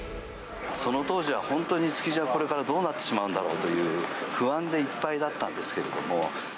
その当時は本当に、築地はこれからどうなってしまうんだろうという不安でいっぱいだったんですけれども。